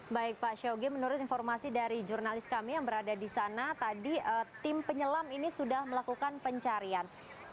baik pak syawgi menurut informasi dari jurnalis kami yang berada di sana tadi tim penyelam ini sudah melakukan pencarian